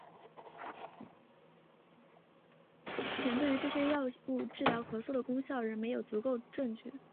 目前对于这些药物治疗咳嗽的功效仍没有足够证据。